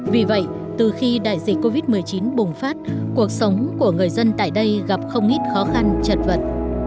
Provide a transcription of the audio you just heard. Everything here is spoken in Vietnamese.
vì vậy từ khi đại dịch covid một mươi chín bùng phát cuộc sống của người dân tại đây gặp không ít khó khăn chật vật